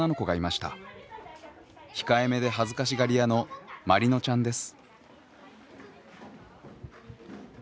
控えめで恥ずかしがり屋のまりのちゃんです。